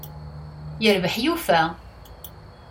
Yerbeḥ yufa!